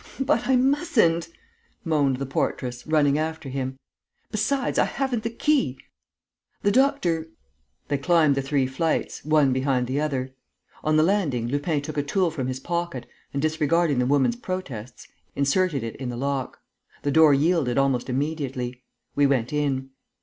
"But I mustn't!" moaned the portress, running after him. "Besides, I haven't the key ... the doctor...." They climbed the three flights, one behind the other. On the landing, Lupin took a tool from his pocket and, disregarding the woman's protests, inserted it in the lock. The door yielded almost immediately. We went in.